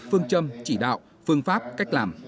phương châm chỉ đạo phương pháp cách làm